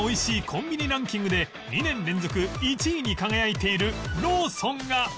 コンビニランキングで２年連続１位に輝いているローソンが